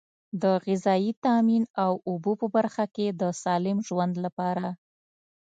د غذایي تامین او اوبو په برخه کې د سالم ژوند لپاره.